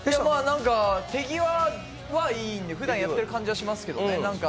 手際はいいんで普段やってる感じはしますけどね。